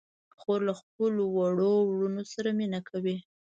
خور له خپلو وړو وروڼو سره مینه کوي.